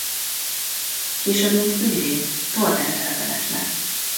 Később mint ügyvéd Tordán telepedett le.